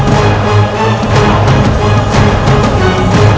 selasi selasi bangun